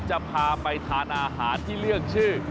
จะพาไปทานอาหารที่เลือกชื่อ